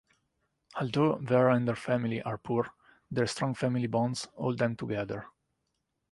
Although Vera and her family are poor, their strong family bonds hold them together.